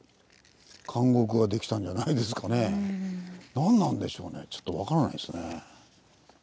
何なんでしょうねちょっと分からないですね。